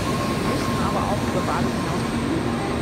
Wir müssen aber auch über Bali hinausblicken.